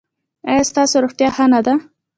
ایا ستاسو روغتیا ښه نه ده؟